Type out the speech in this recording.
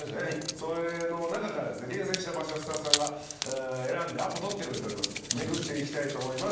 それの中から厳選した場所スタッフさんが選んでアポ取ってくれておりますんで巡っていきたいと思います。